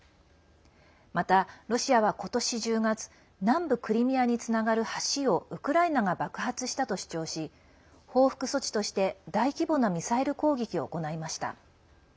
また、ロシアは今年１０月南部クリミアにつながる橋をウクライナが爆発したと主張し報復措置として大規模なミサイル攻撃を行いました。